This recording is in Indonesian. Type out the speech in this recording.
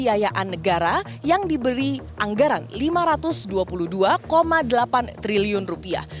biayaan negara yang diberi anggaran lima ratus dua puluh dua delapan triliun rupiah